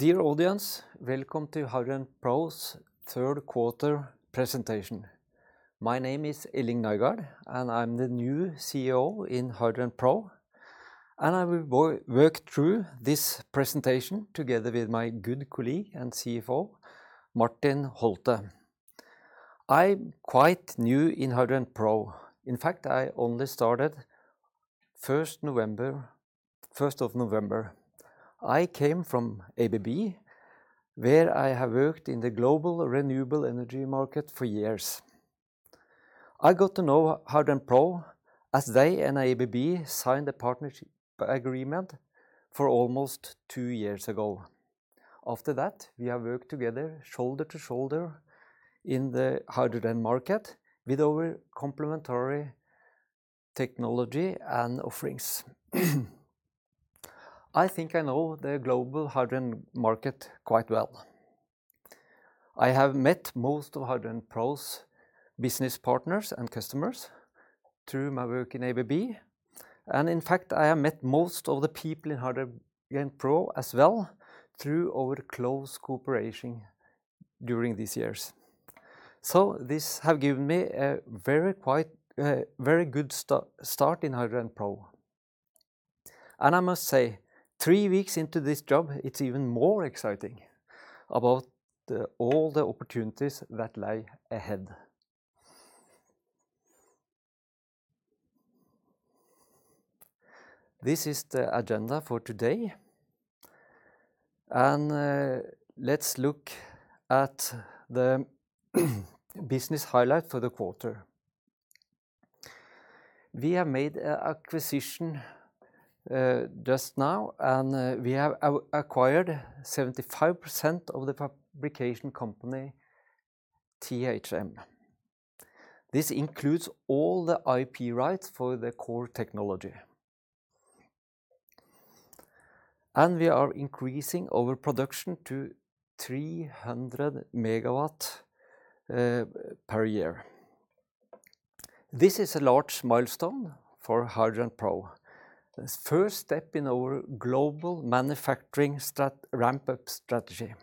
Dear audience, welcome to HydrogenPro's third quarter presentation. My name is Elling Nygaard, and I'm the new CEO in HydrogenPro, and I will work through this presentation together with my good colleague and CFO, Martin Holtet. I'm quite new in HydrogenPro. In fact, I only started first of November. I came from ABB, where I have worked in the global renewable energy market for years. I got to know HydrogenPro as they and ABB signed a partnership agreement for almost two years ago. After that, we have worked together shoulder to shoulder in the hydrogen market with our complementary technology and offerings. I think I know the global hydrogen market quite well. I have met most of HydrogenPro's business partners and customers through my work in ABB. In fact, I have met most of the people in HydrogenPro as well through our close cooperation during these years. This have given me a very good start in HydrogenPro. I must say, three weeks into this job, it's even more exciting about all the opportunities that lie ahead. This is the agenda for today. Let's look at the business highlight for the quarter. We have made a acquisition just now, and we have acquired 75% of the fabrication company THM. This includes all the IP rights for the core technology. We are increasing our production to 300 MW per year. This is a large milestone for HydrogenPro. The first step in our global manufacturing ramp-up strategy.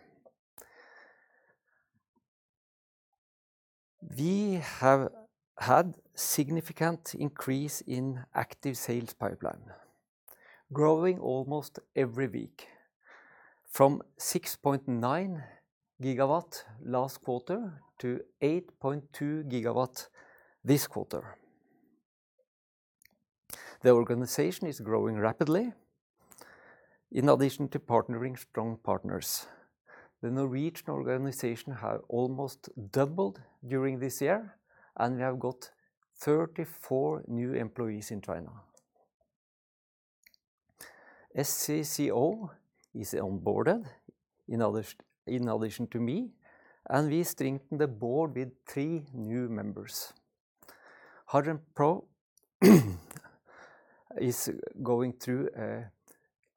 We have had significant increase in active sales pipeline, growing almost every week from 6.9 GW last quarter to 8.2 GW this quarter. The organization is growing rapidly. In addition to partnering with strong partners, the Norwegian organization have almost doubled during this year, and we have got 34 new employees in China. A CCO is onboarded in addition to me, and we strengthen the board with three new members. HydrogenPro is going through an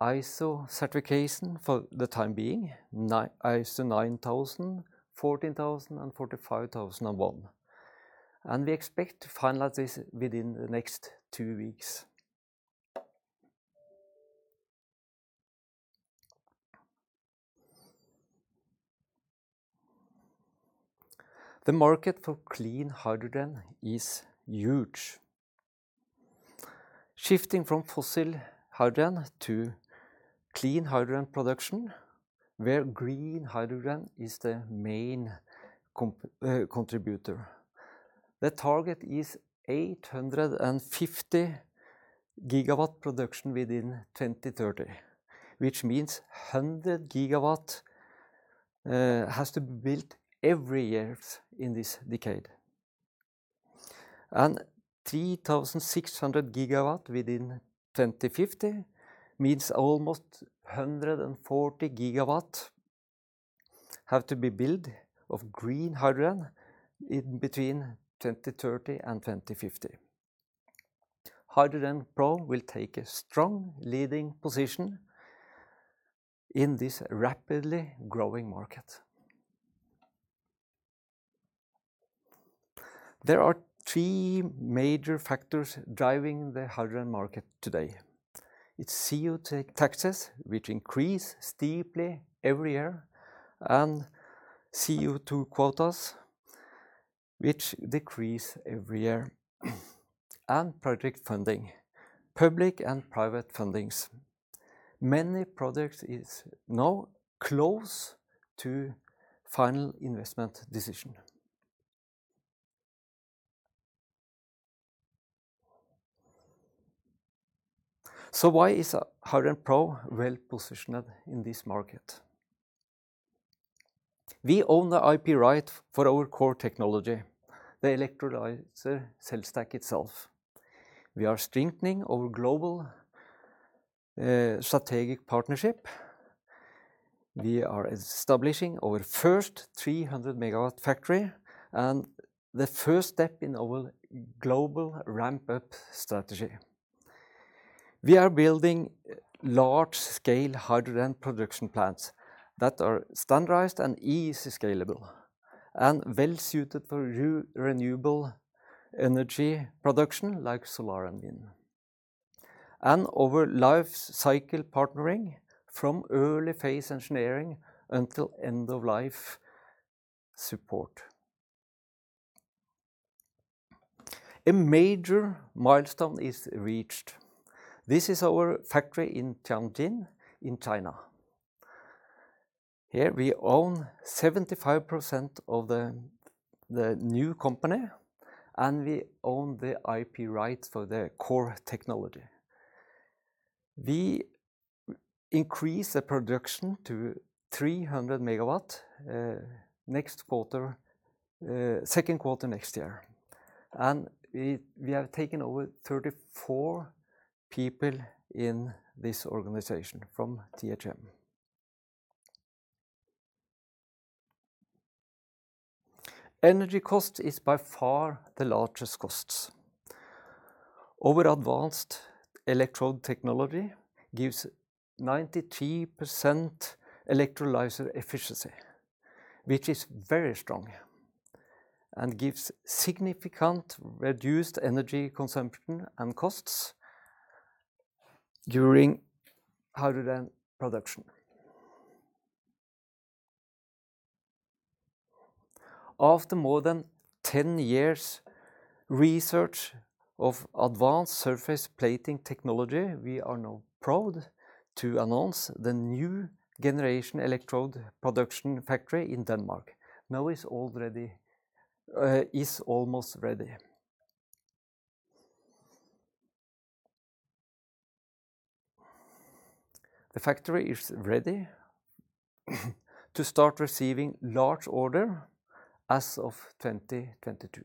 ISO certification for the time being, ISO 9001, 14001, and 45001, and we expect to finalize this within the next two weeks. The market for clean hydrogen is huge. Shifting from fossil hydrogen to clean hydrogen production, where green hydrogen is the main contributor. The target is 850 GW production within 2030, which means 100 GW has to be built every years in this decade. 3,600 GW within 2050 means almost 140 GW have to be built of green hydrogen in between 2030 and 2050. HydrogenPro will take a strong leading position in this rapidly growing market. There are three major factors driving the hydrogen market today. It's CO2 taxes, which increase steeply every year, and CO2 quotas, which decrease every year, and project funding, public and private fundings. Many projects is now close to final investment decision. Why is HydrogenPro well-positioned in this market? We own the IP right for our core technology, the electrolyzer cell stack itself. We are strengthening our global strategic partnership. We are establishing our first 300 MW factory and the first step in our global ramp-up strategy. We are building large-scale hydrogen production plants that are standardized and easily scalable and well-suited for renewable energy production like solar and wind. Over life cycle partnering from early phase engineering until end of life support. A major milestone is reached. This is our factory in Tianjin in China. Here we own 75% of the new company, and we own the IP rights for their core technology. We increase the production to 300 MW second quarter next year. We have taken over 34 people in this organization from THM. Energy cost is by far the largest costs. Our advanced electrode technology gives 93% electrolyzer efficiency, which is very strong and gives significant reduced energy consumption and costs during hydrogen production. After more than 10 years research of advanced surface plating technology, we are now proud to announce the new generation electrode production factory in Denmark. Now is almost ready. The factory is ready to start receiving large order as of 2022.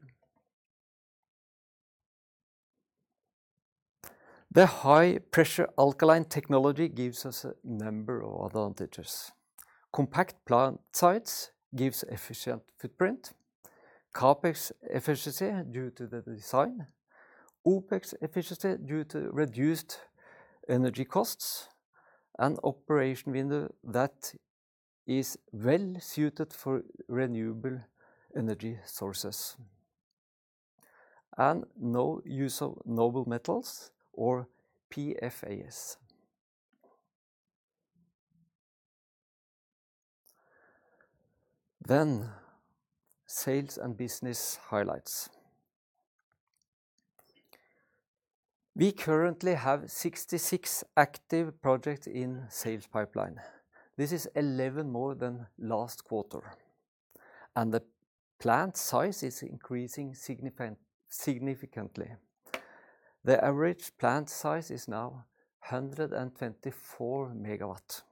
The high-pressure alkaline technology gives us a number of advantages. Compact plant sites gives efficient footprint, CAPEX efficiency due to the design, OPEX efficiency due to reduced energy costs and operating window that is well-suited for renewable energy sources, and no use of noble metals or PFAS. Sales and business highlights. We currently have 66 active projects in sales pipeline. This is 11 more than last quarter. The plant size is increasing significantly. The average plant size is now 124 MW.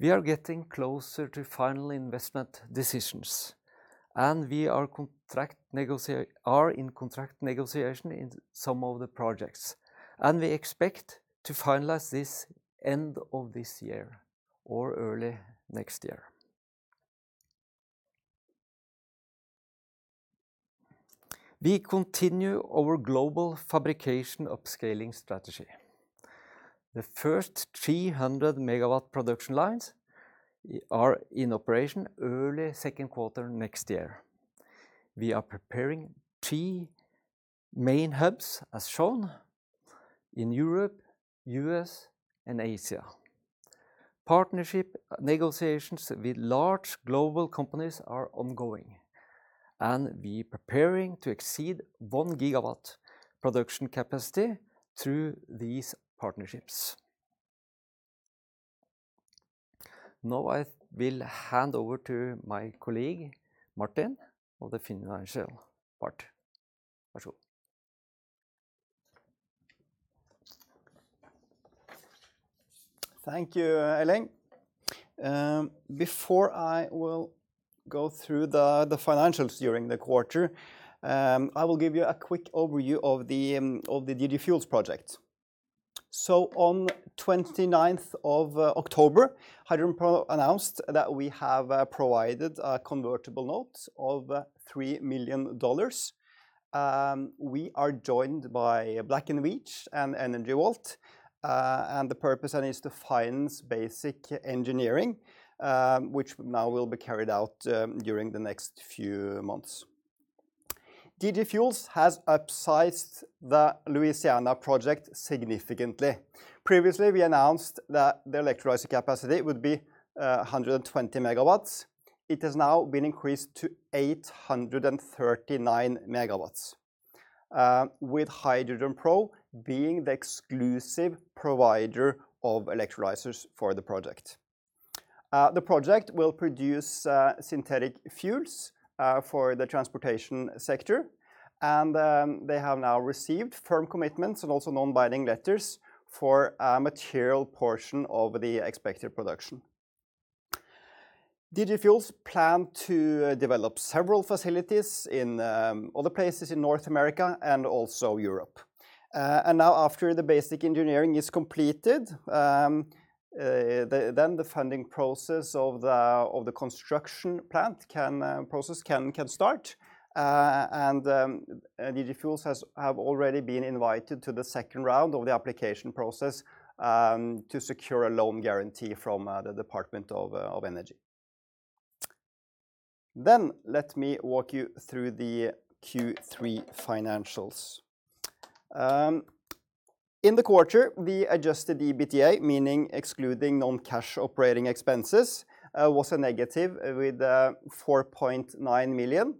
We are getting closer to final investment decisions, and we are contract negotia, are in contract negotiation in some of the projects, and we expect to finalize this end of this year or early next year. We continue our global fabrication upscaling strategy. The first 300 MW production lines are in operation early second quarter next year. We are preparing three main hubs as shown in Europe, U.S., and Asia. Partnership negotiations with large global companies are ongoing, and we are preparing to exceed 1 GW production capacity through these partnerships. Now I will hand over to my colleague, Martin Holtet, for the financial part. Thank you, Elling. Before I will go through the financials during the quarter, I will give you a quick overview of the DG Fuels project. On 29th of October, HydrogenPro announced that we have provided a convertible note of $3 million. We are joined by Black & Veatch and Energy Vault. The purpose then is to finance basic engineering, which now will be carried out during the next few months. DG Fuels has upsized the Louisiana project significantly. Previously, we announced that the electrolyzer capacity would be 120 MW. It has now been increased to 839 MW, with HydrogenPro being the exclusive provider of electrolyzers for the project. The project will produce synthetic fuels for the transportation sector, and they have now received firm commitments and also non-binding letters for a material portion of the expected production. DG Fuels plans to develop several facilities in other places in North America and also Europe. Now after the basic engineering is completed, the funding process of the construction plant can start. DG Fuels has already been invited to the second round of the application process to secure a loan guarantee from the Department of Energy. Let me walk you through the Q3 financials. In the quarter, the adjusted EBITDA, meaning excluding non-cash operating expenses, was negative 4.9 million.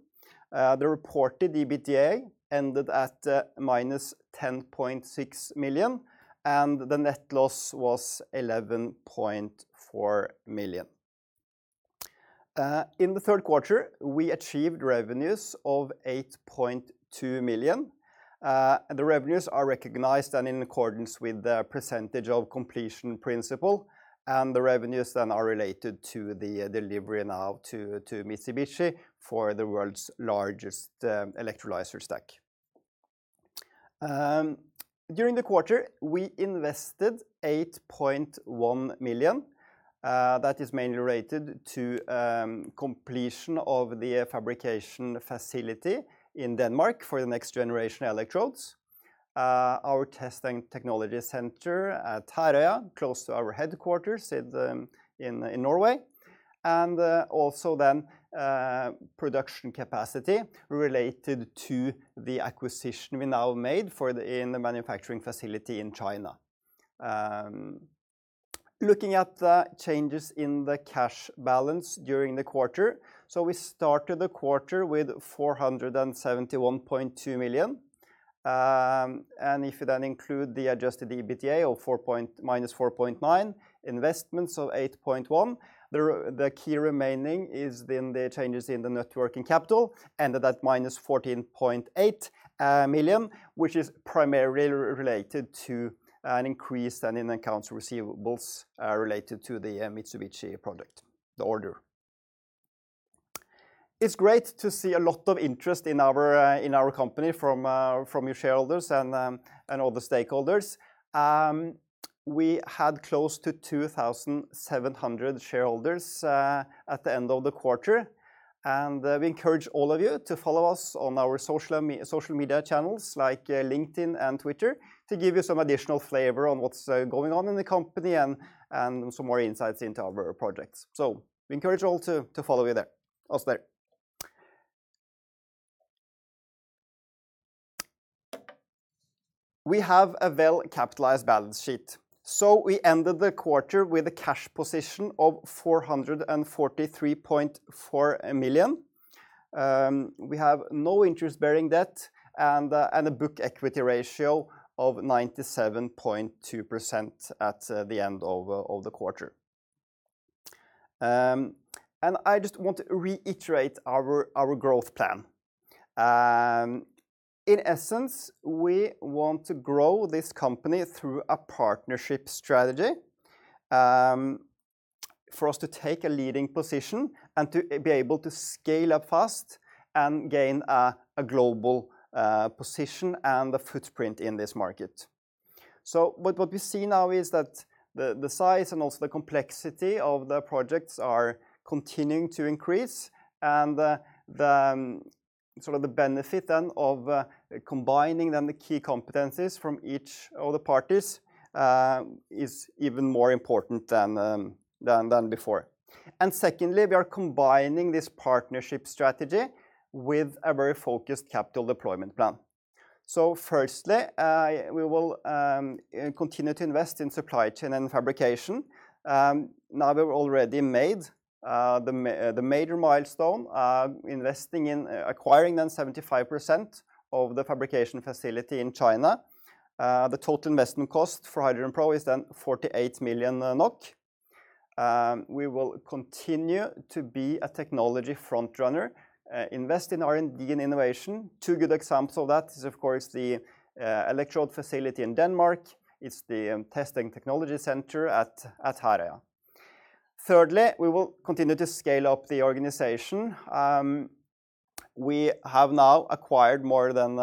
The reported EBITDA ended at -10.6 million, and the net loss was 11.4 million. In the third quarter, we achieved revenues of 8.2 million. The revenues are recognized in accordance with the percentage of completion principle, and the revenues then are related to the delivery now to Mitsubishi for the world's largest electrolyzer stack. During the quarter, we invested 8.1 million. That is mainly related to completion of the fabrication facility in Denmark for the next generation electrodes. Our test and technology center at Herøya, close to our headquarters in Norway. Also production capacity related to the acquisition we now made in the manufacturing facility in China. Looking at the changes in the cash balance during the quarter. We started the quarter with 471.2 million. If you then include the adjusted EBITDA of -4.9, investments of 8.1, the key remaining is then the changes in the net working capital, ended at -14.8 million, which is primarily related to an increase then in accounts receivables related to the Mitsubishi project, the order. It's great to see a lot of interest in our company from you shareholders and all the stakeholders. We had close to 2,700 shareholders at the end of the quarter, and we encourage all of you to follow us on our social media channels like LinkedIn and Twitter to give you some additional flavor on what's going on in the company and some more insights into our projects. We encourage you all to follow us there. We have a well-capitalized balance sheet. We ended the quarter with a cash position of 443.4 million. We have no interest-bearing debt and a book equity ratio of 97.2% at the end of the quarter. I just want to reiterate our growth plan. In essence, we want to grow this company through a partnership strategy for us to take a leading position and to be able to scale up fast and gain a global position and a footprint in this market. What we see now is that the size and also the complexity of the projects are continuing to increase and sort of the benefit then of combining then the key competencies from each of the parties is even more important than before. Secondly, we are combining this partnership strategy with a very focused capital deployment plan. Firstly, we will continue to invest in supply chain and fabrication. Now we've already made the major milestone, investing in acquiring then 75% of the fabrication facility in China. The total investment cost for HydrogenPro is then 48 million NOK. We will continue to be a technology front runner, invest in R&D and innovation. Two good examples of that is of course the electrode facility in Denmark. It is the testing technology center at Herøya. Thirdly, we will continue to scale up the organization. We have now acquired more than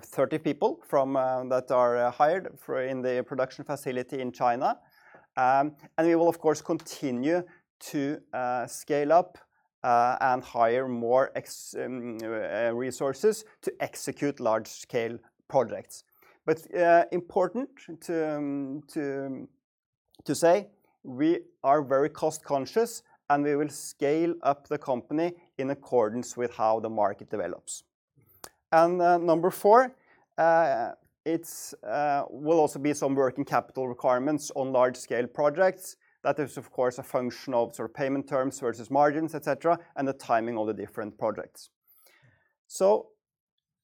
30 people that are hired in the production facility in China. We will of course continue to scale up and hire more experienced resources to execute large-scale projects. Important to say we are very cost conscious, and we will scale up the company in accordance with how the market develops. Number four, it will also be some working capital requirements on large-scale projects. That is of course a function of sort of payment terms versus margins, et cetera, and the timing of the different projects.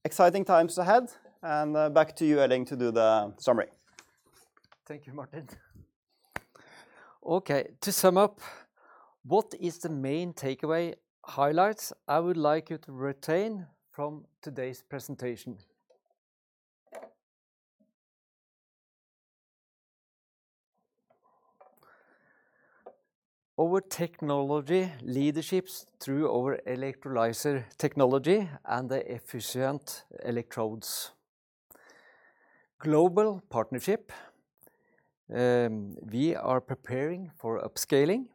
Exciting times ahead, and back to you, Elling, to do the summary. Thank you, Martin. Okay, to sum up, what is the main takeaway highlights I would like you to retain from today's presentation? Our technology leadership through our electrolyzer technology and the efficient electrodes. Global partnership, we are preparing for upscaling.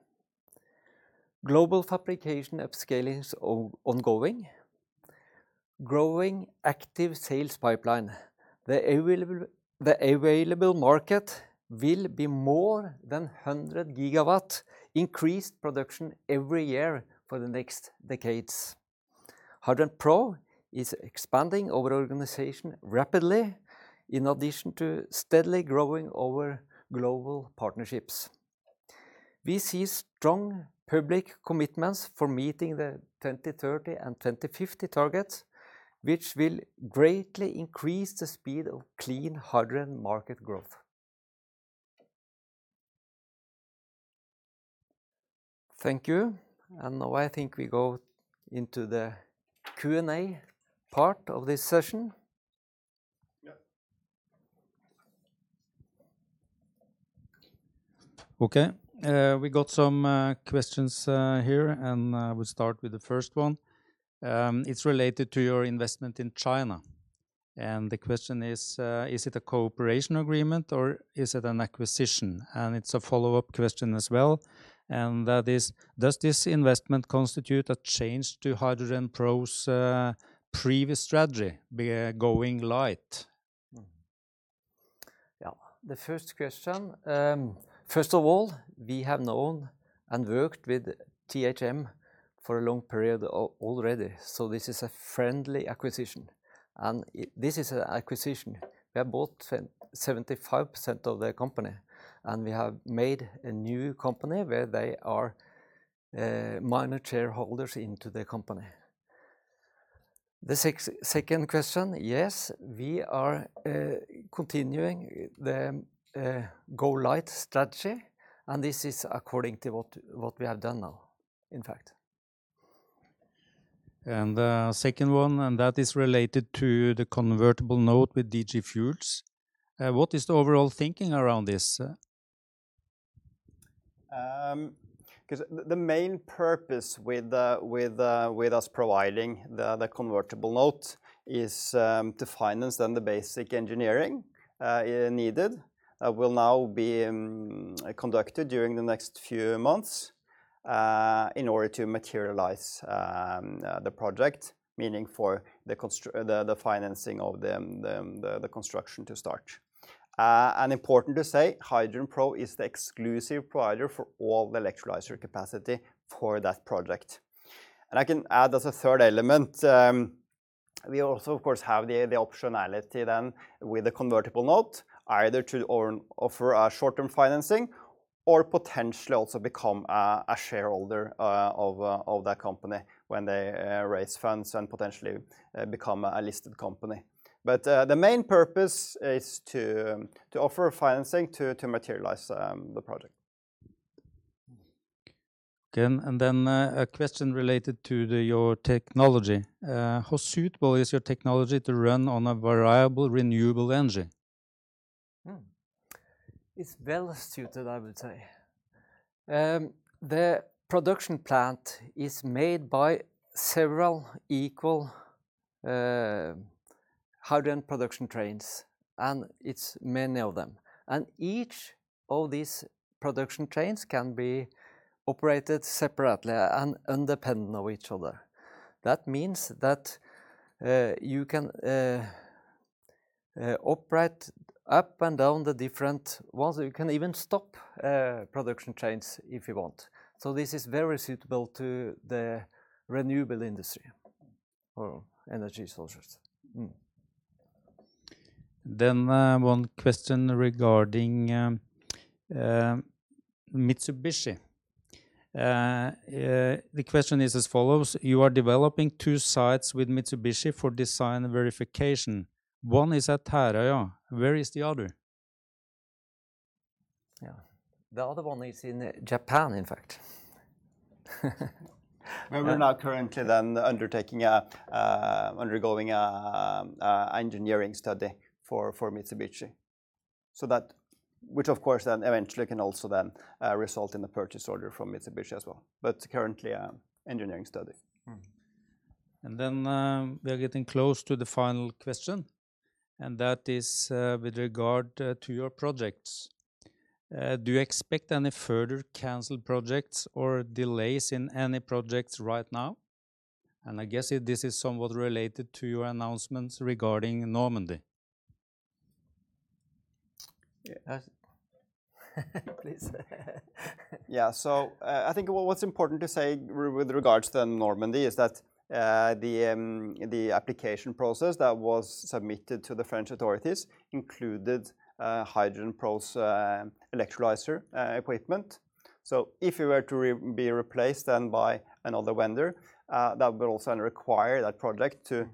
Global fabrication upscaling is ongoing. Growing active sales pipeline. The available market will be more than 100 GW increased production every year for the next decades. HydrogenPro is expanding our organization rapidly in addition to steadily growing our global partnerships. We see strong public commitments for meeting the 2030 and 2050 targets, which will greatly increase the speed of clean hydrogen market growth. Thank you. Now I think we go into the Q&A part of this session. Yeah. Okay. We got some questions here, and we'll start with the first one. It's related to your investment in China, and the question is it a cooperation agreement or is it an acquisition? It's a follow-up question as well, and that is, does this investment constitute a change to HydrogenPro's previous strategy be going light? The first question, first of all, we have known and worked with THM for a long period already, so this is a friendly acquisition, and this is an acquisition. We have bought 75% of the company, and we have made a new company where they are minor shareholders into the company. The second question, yes, we are continuing the go light strategy, and this is according to what we have done now, in fact. The second one, and that is related to the convertible note with DG Fuels. What is the overall thinking around this? Because the main purpose with us providing the convertible note is to finance then the basic engineering needed will now be conducted during the next few months in order to materialize the project, meaning for the financing of the construction to start. Important to say, HydrogenPro is the exclusive provider for all the electrolyzer capacity for that project. I can add as a third element, we also of course have the optionality then with the convertible note either to offer a short-term financing or potentially also become a shareholder of that company when they raise funds and potentially become a listed company. The main purpose is to offer financing to materialize the project. Okay. A question related to your technology. How suitable is your technology to run on a variable renewable energy? It's well suited, I would say. The production plant is made by several equal hydrogen production trains, and it's many of them. Each of these production trains can be operated separately and independent of each other. That means that you can operate up and down the different ones. You can even stop production trains if you want. This is very suitable to the renewable industry or energy sources. One question regarding Mitsubishi. The question is as follows: You are developing two sites with Mitsubishi for design verification. One is at Herøya. Where is the other? Yeah. The other one is in Japan, in fact. We're now currently then undergoing a engineering study for Mitsubishi, which of course then eventually can also then result in a purchase order from Mitsubishi as well. Currently, engineering study. We are getting close to the final question, and that is, with regard to your projects. Do you expect any further canceled projects or delays in any projects right now? I guess this is somewhat related to your announcements regarding Normandy. Yeah. Please. Yeah. I think what's important to say with regards to Normandy is that the application process that was submitted to the French authorities included HydrogenPro's electrolyzer equipment. If it were to be replaced by another vendor, that would also require that project to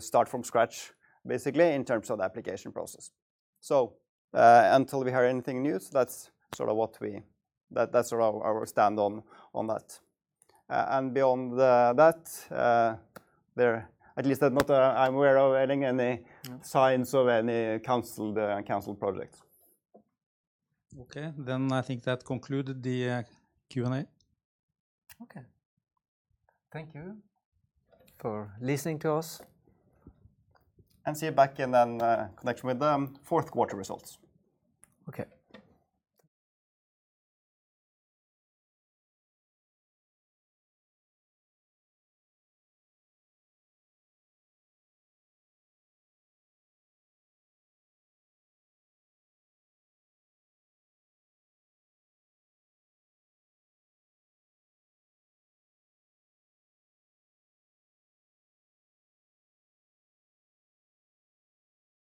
start from scratch, basically, in terms of the application process. Until we hear anything new, that's sort of our stand on that. Beyond that, at least I'm not aware of any signs of any canceled projects. Okay. I think that concluded the Q&A. Okay. Thank you for listening to us. We'll see you back then in connection with the fourth quarter results. Okay.